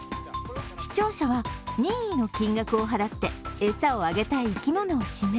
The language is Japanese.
視聴者は任意の金額を払って餌をあげたい生き物を指名。